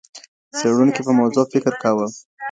څېړونکي په موضوع فکر کاوه.